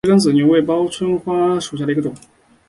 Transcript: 折梗紫金牛为报春花科紫金牛属下的一个种。